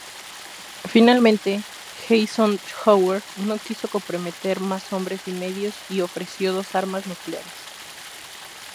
Finalmente Eisenhower no quiso comprometer más hombres y medios y ofreció dos armas nucleares.